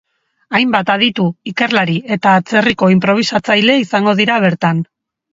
Hainbat aditu, ikerlari eta atzerriko inprobisatzaile izango dira bertan.